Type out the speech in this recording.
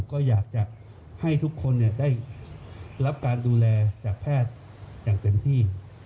ก็อยากจะให้ทุกคนได้รับการดูแลจากแพทย์อย่างเต็มที่